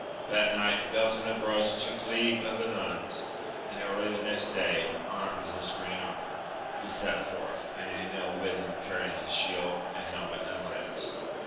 That night Beltenebros took leave of the Nuns, and early the next day, armed in his green armour, he set forth, and Enil with him carrying his shield and helmet and lance.